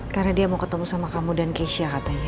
karena dia mau ketemu sama kamu dan keisha katanya